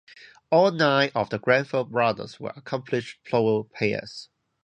All nine of the Grenfell brothers were accomplished polo players.